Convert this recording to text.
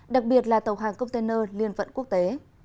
đặc biệt là tàu hàng container liên vận quốc tế